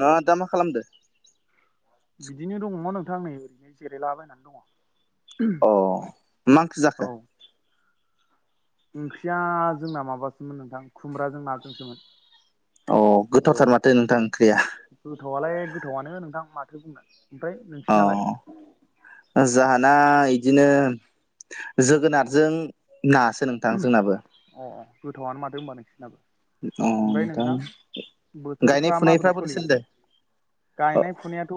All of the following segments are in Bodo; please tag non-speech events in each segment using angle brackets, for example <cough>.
नों दा माखालामदों? बिदिनो दङ नोंथांं नै ओरैनो जिरायलाबायनानै दङ। अ मा ओंख्रि जाखो? ओंख्रिया जोंना माबासोमोन नोंथां। खुमब्राजों नाजोंसोमोन अ औ। गोथावथार माथो नोंथां ओंख्रिया गोथावआलाय गोथावआनो नोंथां माथो बुंनो ओमफ्राय अ नोंसिनालाय? जाहाना बिदिनो जोगोनारजों नासो नोंथां जोंनाबो। अ अ गोथावआनो मादों होनबा नोंसिनाबो। ओमफ्राय नोंथां गायनाय बोथोरफ्रा फुनायफ्रा माबोरै बोरै सोलिदों सोलिगासिनो। गायनाय फुनायाथ'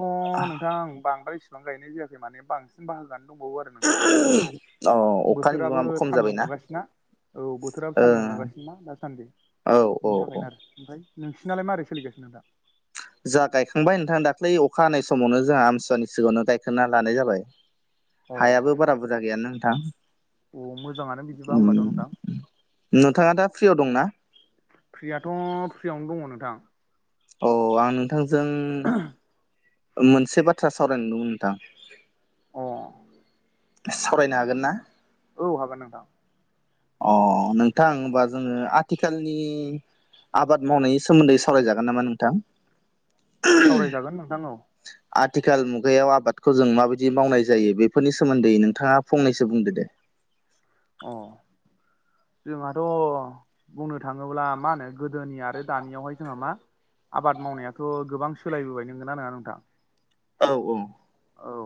नोंथां बांद्राय बिफां गायनाय जायाखै माने बांसिन बाहागोानो दंबावो आरो नोंथां। अ अखानि बोथोराबो बिबाङाबो खम सान्दुं जाबायना दुंगासिनोना औ बोथोराब ओ सान्दुं नुगासिनो ना दासान्दि औ औ बिनि औ थाखायनो आरो ओमफ्राय नोंसिनालाय मारै सलिगासिनो दा? जोंहा गायखांबाय नोंथां दाख्लै अखा हानाय समावनो जोंहा आमसुवानि सिगाङनो गायखांना लानाय जाबाय। अ हायाबो बारा बुरजा गैयानो नोंथां। अ मोजाङानो बिदिबा होमबाथ' नोंथां नोंथाङा दा फ्रियाव दंना? फ्रियाथ' फ्रियावनो दङ नोंथां। औ आं नोंथांजों मोनसे बाथ्रा सावरायनो नंदोंमोन नोंथां? अ सावरायनो हागोन ना? औ हागोन नोंथां। अ नोंथां होनबा जोङो आथिखालनि आबाद मावनायनि सोमोन्दै सावरायजागोन नामा नोंथां? सावरायजागोन नोंथां औ आथिखाल मुगायाव आबादखौ जों माबायदि मावनाय जायो बेफोरनि सोमोन्दै नोंथाङा फंनैसो बुंदो दे अ जोंहाथ' बुंनो थाङोब्ला मा होनो गोदोनि आरो दानियावहाय जोंहा मा आबाद मावनायाथ' गोबां सोलायबोबाय नंगोनना नङा नोंथां औ औ औ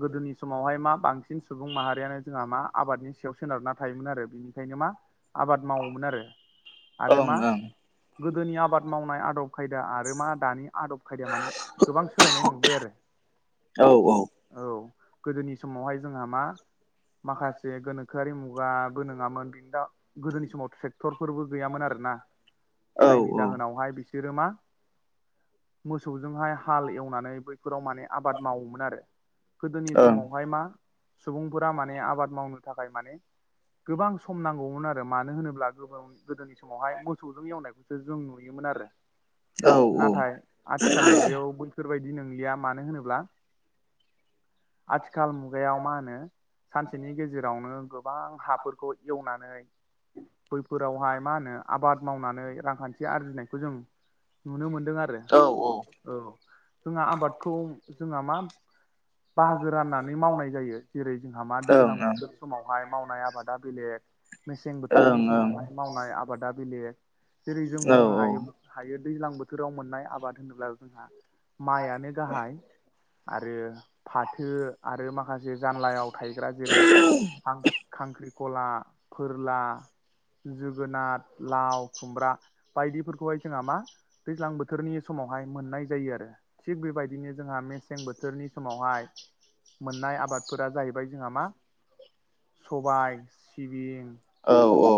गोदोनि समावहाय मा बांसिन सुबुं माहारियानो जोंहा मा आबादनि स सोनारना थायोमोन आरो बिनिखायनो मा आबाद मावोमोन आरो आरो ओं मा ओं गोदोनि आबाद मावनाय आदब खायदा आरो मा दानि आदब खायदाया माने गोबां सोलायनाय नुबाय आरो औ गोदोनि समावहाय जोंहा मा माखासे गोनो गारि मुगाबो नङामोन बेनि दा गोदोनि समावथ' डक्टरफोरबो गैयामोन आरोना औ जायनि ओं जाहोनावहाय बिसोरो मा मोसौजोंहाय हाल एवनानै बैफोराव माने आबाद मावोमोन आरो गोदोनि औ समावहाय मा सुबुंफोरा माने आबाद मावनो थाखाय माने गोबां सम नांगौमोन आरो मानो होनोब्ला गोबावनि गोदोनि समावहाय मोसौजों एवनायखौसो जों नुयोमोन आरो औ नाथाय आथिखाल मुगायाव बैफोरबायदि नंलिया मानो होनोब्ला आथिखाल मुगायाव मा होनो सानसेनि गेजेराव जेरावनो गोबां हाफोरखौ एवनानै बैफोरावहाय मा होनो आबाद मावनानै रांखान्थि आरजिनायखौ जों नुनो मोनदों आरो औ औ जोंहा आबादखौ जोंहा मा बाहागो राननानै मावनाय जायो जेरै जोंहा मा औ ओं दैज्लांबो समावहाय मावनाय आबादा बेलेग मेसें ओं औ बोथोरनि समावहाय मावनाय आबादा बेलेग जेरै जों औ बुंनो हायो हायो दैज्लां बोथोराव मोननाय आबाद होनोब्ला जोंहा माइआानो गाहाय आरो फाथो आरो माखासे जानलायाव थायग्रा जेरै ां खांख्रिखला फोरला जोगोनार लाव खुमब्रा बायदिफोरखौहाय जोंहा मा दैज्लां बोथोरनि समावहाय मोननाय जायो आरो थिग बेबायदिनो जोंहा मेसें बोथोरनि समावहाय मोननाय आबादफोरा जाहैबाय जोंहा मा सबाय सिबिं औ औ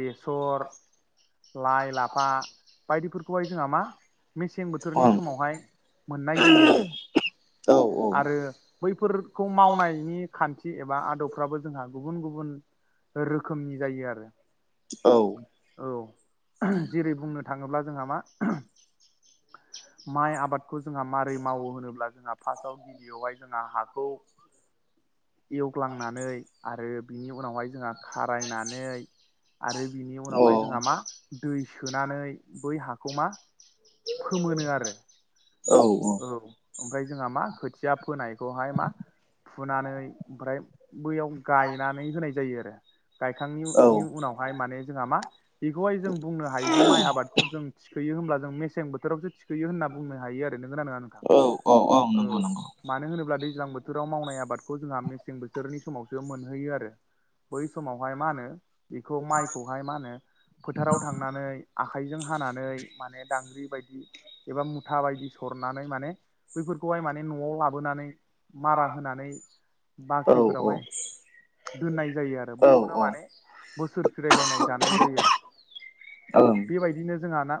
बेसर लाइ लाफा बायदिफोरखौहाय जोंहा मा मेसें बोथोरनि समावहाय मोननाय जायो आरो आरो बैफोरखौ मावनायनि खान्थि एबा बा आदबफ्राबो जोंहा गुबुन गुबुन रोखोमनि जायो आरो औ औ जेरै बुंनो थाङोब्ला जोंहा मा माइ आबादखौ जोंहा माबारै मावो होनोब्ला जोंहा फार्स्टआव गिबियावहाय जोंहा हाखौ एवग्लांनानै आरो बिनि उनावहाय जोंहा खारायनानै आरो बिनि उनावहाय जोंहा मा दै सोनानै बै हाखौ मा फोमोनो आरो औ ओमफ्राय जोंहा मा खोथिया फोनायखौहाय मा फुनानै ओमफ्राय बैयाव गायनानै होनाय जायो आरो गायखांनायनिनायनि उनावहाय माने जोंहा मा बेखौहाय जों बुंनो हायोदि माइ आबादखौ जों थिखोयो हब्ला जों मेसें बोथोरावसो थिखायो सोयो होनना बुंनो हायो आरो नोंगोनना नङा नोंथां औ औ नंगौ औ नंगौ मानो होनोब्ला दैज्लां बोथोराव मावनाय आबादखौ जोंहा मेसे ं बोसोरनि समावसो मोनहैयो आरो बै समावहाय मा होनो बेखौ माइखौहाय मा होनो फोथाराव थांनानै आ आ हखाइजों हानानै माने दांग्रि बायदि एबा मुथा बायदि सरनानै माने बैफोरखौहाय माने न'आव लाबोनानै मारा होनानै औ बाख्रिफोरावहाय दोननाय जायो आरो औ बैखौनो माने बोसोर फिरायलायनाय जानाय जायो आरो औ बेबायदिनो जोंहा ना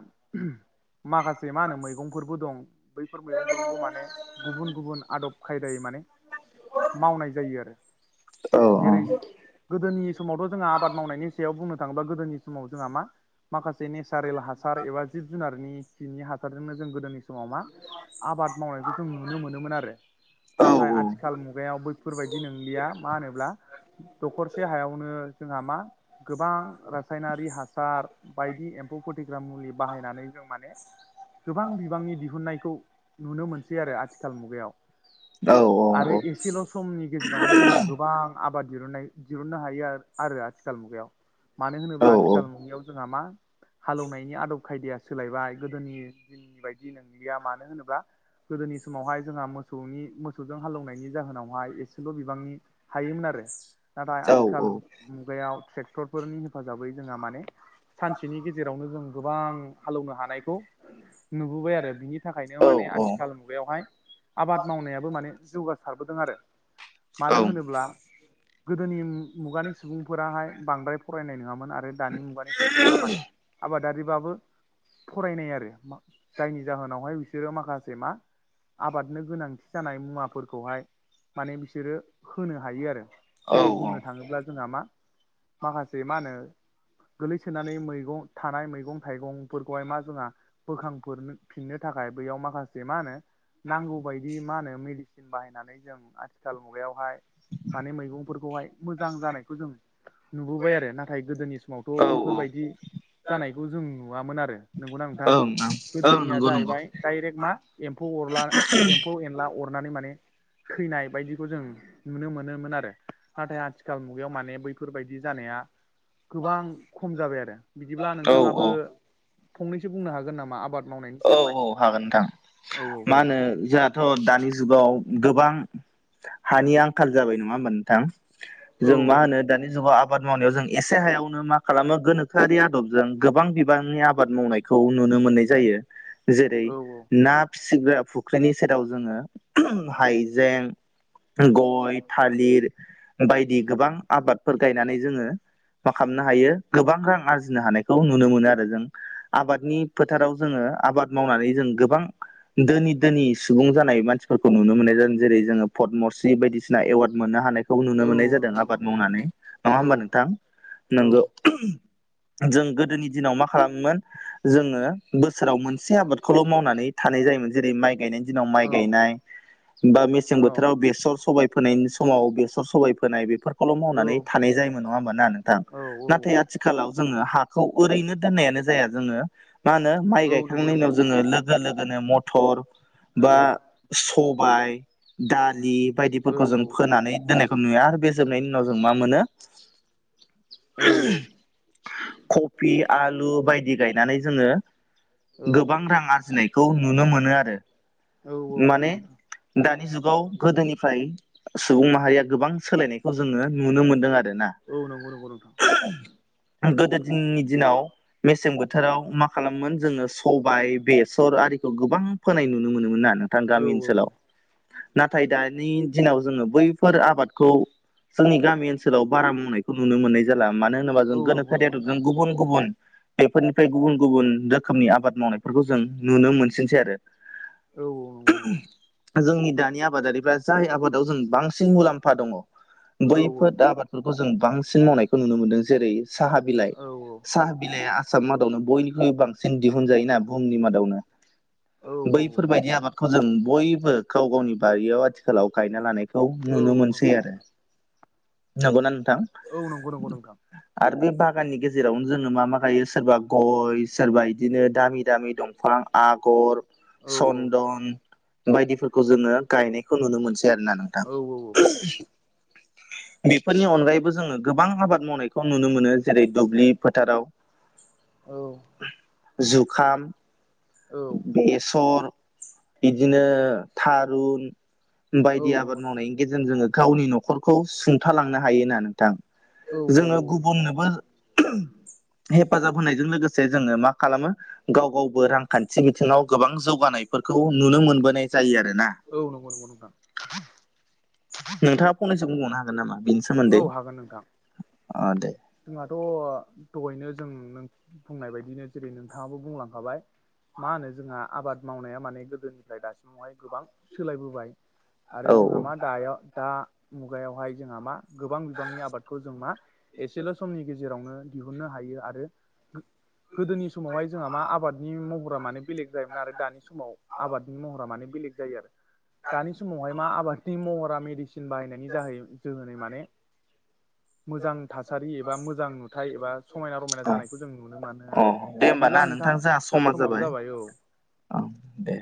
माखासे मा होनो मैगंफोरबो दं बैफोर मैगंफोरखौबो माने गुबुन गुबुन आदब खायदायै माने मावनाय जायो आरो औ औ जेरै गोदोनि समावथ' जोंङहा आबाद मावनायनि सायाव बुंनो थाङोबा गोदोनि समाव जोंहा मा माखासे नेचारेल हासार एबा जिब जुनारनि खिनि हासारजोंनो जों गोदोनि समाव मा आबाद मावनायखौ जों नुनो मोनोमोन आरो औ औ नाथाय औ आथिखालु बैफोरबायदि नंलिया मा होनोब्ला दखरसे हायावनो जोंहा मा गोबां रासायनारि हासार बायदि एम्फौ फोथग्रा मुलि बाहायनानै जों माने गोबां बिबांनि दिहुननायखौ नुनो मोनसै आरो आथिखाल मुगायाव औ औ औ सिल' समनि गेजेरावनो जोंहा गोबां आबादहुननाय दिरुननो हायो आरो आथिखाल मुगायाव मानो होनोब्ला आथिखाल नुगायाव जोंहा मा हालेवनायनि आदब खायदाया सोलायबाय गोदोनि बायदि नंलिया मानो होनोबा गोदोनि समावहाय जोंहा मोसौनि मोसौजों हालौवनायनि जाहोनावहाय एसेल' बिबांनि हायोमोन आरो नाथाय आथिखाल मुगायाव ट्रेक्टरफोरनि हेफाजाबै जोंहा माने सानसेनि गेजेरावनो जों गोबां हालौवनो हानायखौ नुबोबाय आरो बिनि नि थाखायनो माने आथिखाल मुगायावहाय आबाद मावनायाबो माने जौगासारबोदों आरो मानो होनोब्ला गोदोनि मुगानि सुबुंफोराहाय बांद्राय फरायनाय नङामोन आरो दानि मुगानि सुबुंफ्रा माने आबादारिबाबो फरायनाय आरो जायनि जाहोनावहाय बिसोरो माखासे मा आबादनो गोनांथि जानाय मुवाफोर हाय माने बिसोरो होनो हायो आरो औ जेरै बुंनो थाङोब्ला जोंहा मा माखासे मा होनो गोलैसोनानै मैगं थानाय मैगं थाइगं फोरखौहाय मा जोंहा बोखां फिननो थाखाय बैयाव माखासे मा होनो नांगौ बायदि मा होनो मेड बायनानै ज आथिखाल मुगायावहाय म मैफोरखौहाय मोजां जानायखौ जों नुबोबाय आरो नाथाय गोदोनि समावथ' ओं बैफोरबायदि जानायखौ जों नुवामोन आरो नंगौना नोंथां ओं गोदोनिया नंगौ नंगौ जाहैबाय डाइरेक्ट मा एम्फौ अरला एम्फौ एनला अरनानै माने थैनाय बायदिखौ जों नुनो मोनोमोन आरो नाथाय आथिखाल मुगायाव माने बैफोर फोरबायदि जानाया गोबां खम जाबाय आरो बिदिब्ला औ नोंथाङाबो फंनैसो बुंनो हागोन नामा आबाद मावनायनि औ सायावहाय औ हागोन नोंथां औ औ मा दे होनो जों ाथ' दानि जुगाव गोबां हानि आंखाल जाबाय नङा होमबा नोंथां औ जों मा होनो दानि जुगाव आबाद मावनायाव जों एसे हायावनो मा खालामो गोनोखोआरि आदबजों गोबां बिबांनि आबाद मावनाय खौ नुनो मोननाय जायो जेरै औ औ ना फिसिग्रा फुख्रिनि सेराव जोङो हायजें गय थालिर बायदि गोबां आबाद फोर गायनानै जोङो मा खालामनो हायो गोबां रां आरजिनो हानायखौ नुनो मोनो आरो जों आबादनि फोथाराव जोङो आबाद मावनानै जों गोबां ोनि दोनि सुबुं जानाय मानसिफोरखौ नुनो मोननाय जादों जेरै जोङो पदमरश बायदिसिना एवार्ड मोननो हानाय बे नुनो औ मोननाय औ जादों नंगौ नंगौ आबाद नोंथां मावनानै नङा औ होमबा नोंथां औ नोंगौ जों गोदोनि दिनाव मा खालामोमोन जोङो बोसोराव मोनसे एसे आबादखौल' मावनानै थानाय जायोमोन जेरै माइ गायनाय दिनाव माइ औ गायनाय बा मसें औ बोथोराव बेसर सबाय फोनायनि समाव बेसर सबाय फोनाय बेफोर खौल' मावनानै औ थानाय जायोमोन नङा होमबा ना नोंथां नाथाय आथि खालाव जोङो हाखौ ओरैनो दोननायानो जाया जोङो मा होनो माइ औ गाय नंगौ नंगौ नोंथां लोगो लोगो नो मथ'र औ बा सबाय दालि औ बायदिफोरखौ जों फोनानै दोनाय खौ नुयो आरो बे जोबनायनि उनाव जों मा मोनो <unintelligible> कफि आलु बायदि गायनानै जोङो औ गोबां रां आरजिनायखौ नुनो मोनो आरो औ नंगौ माने नोंथां दानि जुगाव गोदोनिफ्राय सुबुं माहारिया गोबां सोलायनायखौ जोङो नुनो मोनदों आरो ना। औ नंगौ नंगौ नोंथां। गोदो दिननि दिनाव मेसें बोथोराव मा खालामोमोन जोङो स सबाइ बेसर आरिखौ गोबां फोनाय नुनो मोनोमोन ना नोंथां औ गामि औ ओनसोलाव। औ नाथाय दानि दिनाव जोङो बैफोर आबादखौ जोंनि गामि ओनसोलाव बारा मावनाय खौ नुनो मोननाय जाला मानो होनोबा जों औ गोनोखो नंगौ आरि नंगौ नोंथां आदबजों गुबुन गुबुन बेफोरनिफ्राय गुबुन गुबुन रोखोमनि आबाद मावनायफोरखौ जों नुनो मोनसिनसै आरो। औ औ नंगौ नंगौ <unintelligible> जोंनि दानि आबादारिफ्रा जाय आबादाव जों बांसिन मुलाम्फा दङ औ बैफोद आबाद फोरखौ जों बांसिन मावनायखौ नुनो मोनदों जेरै साहा बिलाइ। औ साहा बिनाया आसामनि मादावनो बयनिख्रुइबो बांसिन दिहुनजायोना बुहुमनि मादावनो। औ बैफोरबायदि आबादखौ जों बयबो गाव गावनि बारियाव आथिखालाव गायना लानाय खौ औ नुनो नंगौ मोनसै नंगौ आरो। नोंथां नोंगौना नोंथां? औ नंगौ नंगौ नोंथां। आरो बे बागाननि गेजेरावनो जोङो मा मा गायो सोरबा गय सोरबाय दिनो दामि दामि दंफां आगर, औ चन्दन बायदिफोरखौ जोङो गायनायखौ नुनो मोनसै आरो ना नोंथां। औ औ बेफोरनि अनगायैबो जोङो गोबां आबाद मावनायखौ नुनो मोनो जेरै दुब्लि फोथाराव औ जुखाम औ बेसर बिदिनो थारुन औ बायदि आबाद नंगौ नंगौ मावनायनि गेजेन जोङो गावनि न'खरखौ सुंथालांनो हायो ना नों थां औ जोङो औ नंगौ गुबुननोबो <unintelligible> हेफाजाब होनायजों लोगोसे जोङो मा खालामो गाव गावबो रांखान्थि बिथिङाव गोबां जौगानायफोरखौ नुनो मोनबोनाय जायो आरो ना। औ नंगौ नंगौ नोंथां। नोंथाङा फंनैसो बुंबावनो हा गोन नामा बिनि सोमो औ हागोन नोंथां। जोंहाथ' दहैनो जों नों बुंनाय बायदिनो जेरै नोंथाङाबो बुंलांखाबाय। मा होनो जोंहा आबाद मावनाया माने गोदोनिफ्राय दासिमावहाय गोबां सोलायबोबाय। आरो औ जोंहा मा दायाव दा मुगायावहाय जोंहा मा गोबां बिबांनि आबादखौ जों मा एसेल' समनि गेजेरावनो दिहुननो हायो आरो गो गोदोनि समावहाय जोंहा मा आबादनि महरा माने बेलेग जायोमोन आरो दानि समाव आबादनि महरा माने बेलेग जायो आरो। दानि समावहाय मा आबादनि महरा मेडिस सिन बाहायनायनि जाहै जोहोनै माने मोजां थासारि एबा मोजां नुथाय एबा समायना रमायना औ जानायखौ जों नुनो मानो अ आरो। दे होमबा ना बिदिब्ला नोंथां जोंहा समा जाहाबो समाबो जाबाय औ। औ दे